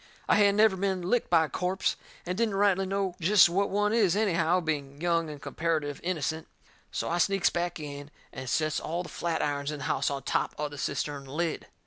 I hadn't never been licked by a corpse, and didn't rightly know jest what one is, anyhow, being young and comparitive innocent. So I sneaks back in and sets all the flatirons in the house on top of the cistern lid.